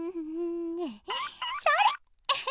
それ！